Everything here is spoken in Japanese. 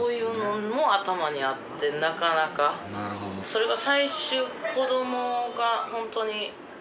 それが。